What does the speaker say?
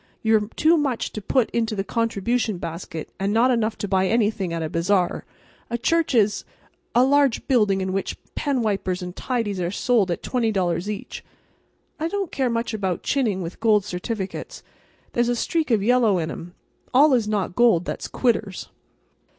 You're too much to put into the contribution basket, and not enough to buy anything at a bazaar. A church is—a large building in which penwipers and tidies are sold at $20 each." I don't care much about chinning with gold certificates. There's a streak of yellow in 'em. All is not gold that's quitters.